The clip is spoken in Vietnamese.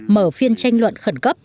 mở phiên tranh luận khẩn cấp